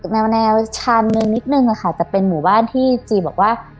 แนวแนวชานนึงนิดนึงค่ะจะเป็นหมู่บ้านที่จีบอกว่า